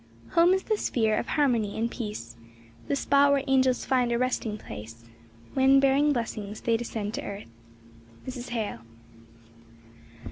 "Home is the sphere of harmony and peace, The spot where angels find a resting place, When bearing blessings, they descend to earth." MRS. HALE.